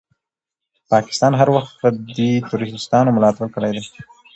پاکستان هر وخت دي تروريستانو ملاتړ کړی ده.